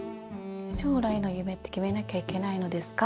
「しょうらいの夢って決めなきゃいけないのですか。」。